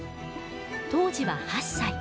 当時は８歳。